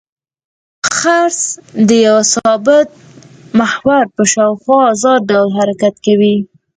څرخ د یوه ثابت محور په شاوخوا ازاد ډول حرکت کوي.